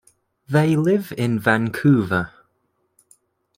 They live in Vancouver.